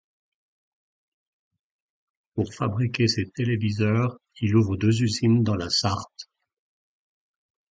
Pour fabriquer ces téléviseurs, il ouvre deux usines dans la Sarthe.